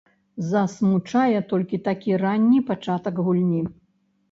Засмучае толькі такі ранні пачатак гульні.